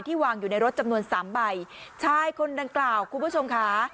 ที่วางอยู่ในรถจำนวน๓ใบใช่คุณดังกล่าวคุณผู้ชมค่ะ